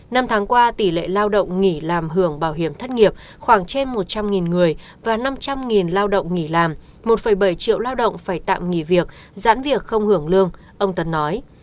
năm tháng qua tỷ lệ lao động nghỉ làm hưởng bảo hiểm thất nghiệp khoảng trên một trăm linh người và năm trăm linh lao động nghỉ làm một bảy triệu lao động phải tạm nghỉ việc giãn việc không hưởng lương ông tân nói